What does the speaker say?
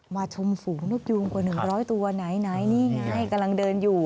มาชมฝูงนกยูงกว่า๑๐๐ตัวไหนนี่ไงกำลังเดินอยู่